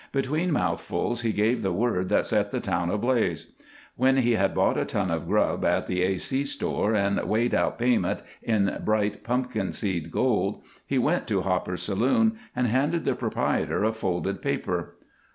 Between mouthfuls he gave the word that set the town ablaze. When he had bought a ton of grub at the A. C. store and weighed out payment in bright pumpkin seed gold he went to Hopper's saloon and handed the proprietor a folded paper.